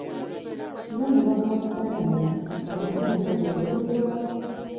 Ng'omubaka wa palamenti, omulimu gwo gwe guli wa?